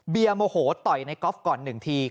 เบียโมโหต่อยในก๊อฟก่อนหนึ่งที